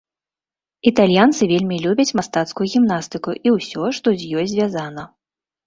Італьянцы вельмі любяць мастацкую гімнастыку і ўсё, што з ёй звязана.